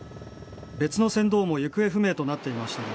別の船頭も行方不明となっていました。